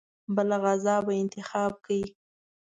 بله غذا به انتخاب کړي.